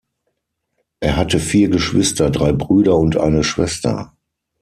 Er hatte vier Geschwister, drei Brüder und eine Schwester.